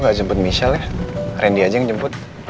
aku mau jemput michelle ya rendy aja yang jemput